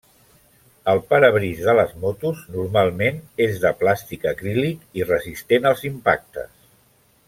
El parabrisa de les motos normalment és de plàstic acrílic i resistent als impactes.